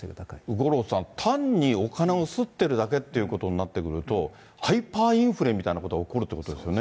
五郎さん、これ、単にお金を刷ってるだけっていうことになってくると、ハイパーインフレみたいなことが起こるということですよね。